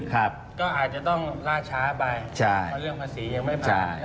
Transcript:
ก็อาจจะต้องล่าช้าไปเพราะเรื่องภาษียังไม่ผ่าน